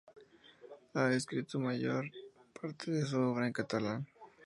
Ha escrito la mayor parte de su obra en catalán.